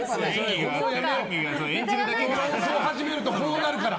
始めるとこうなるから！